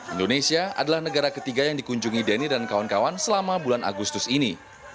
indonesia adalah negara ketiga yang dikunjungi denny dan kawan kawan selama bulan agustus ini